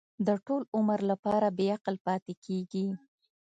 د ټول عمر لپاره بې عقل پاتې کېږي.